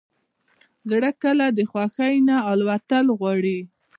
زړه کله د خوښۍ نه الوتل غواړي.